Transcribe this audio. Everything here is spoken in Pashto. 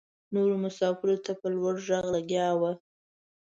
نورو مساپرو ته په لوړ غږ لګیا وه.